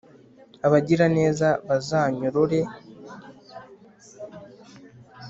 Abagiraneza bazanyorore.